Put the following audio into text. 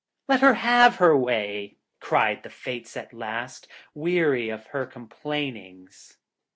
'Let her have her way!' cried the Fates at last, weary of her complainings.